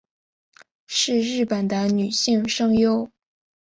是日本的女性声优。